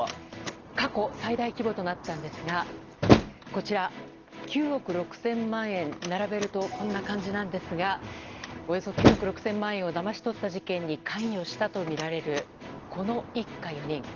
過去最大規模となったんですがこちら９億６０００万円並べるとこんな感じなんですがおよそ９億６０００万円をだまし取った事件に関与したとみられるこの一家４人。